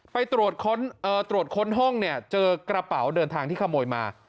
ไปตรวจค้นห้องเนี่ยเจอกระเป๋าเดินทางที่ขโมยมา